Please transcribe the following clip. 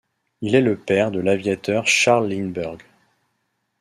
Il est le père de l'aviateur Charles Lindbergh.